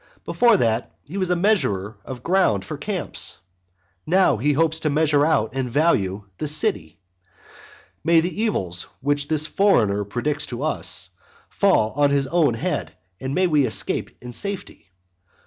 Before that, he was a measurer of ground for camps; now he hopes to measure out and value the city. May the evils which this foreigner predicts to us fall on his own head, and may we escape in safety!